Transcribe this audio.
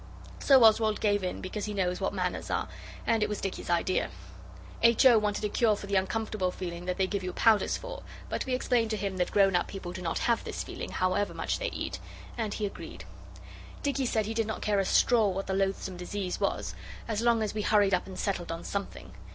So Oswald gave in because he knows what manners are, and it was Dicky's idea. H. O. wanted a cure for the uncomfortable feeling that they give you powders for, but we explained to him that grown up people do not have this feeling, however much they eat, and he agreed. Dicky said he did not care a straw what the loathsome disease was, as long as we hurried up and settled on something.